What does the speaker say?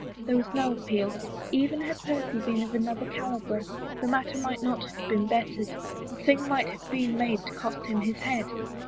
There was no appeal. Even had Percy been of another caliber, the matter might not have been bettered. The thing might have been made to cost him his head.